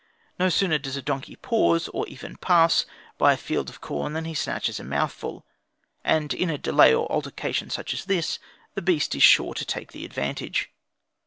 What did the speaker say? No sooner does a donkey pause, or even pass, by a field of corn than he snatches a mouthful, and in a delay or altercation such as this the beast is sure to take the advantage.